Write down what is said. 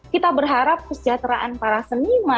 kita berharap kesejahteraan para seniman